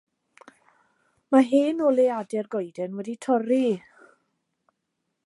Mae hen oleuadau'r goeden wedi torri.